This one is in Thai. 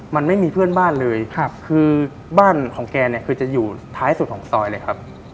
มันไม่มีเพื่อนบ้านเลยคือบ้านของแกเนี่ยคือจะอยู่ท้ายสุดของซอยเลยครับ